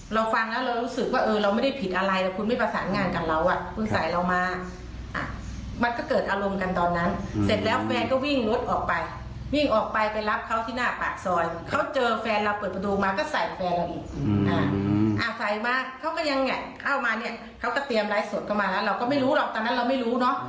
เขาก็เตรียมรายส่วนกันมาเราก็ไม่รู้หรอกตอนนั้นเราไม่รู้